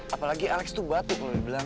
apalagi alex tuh batuk lo udah bilang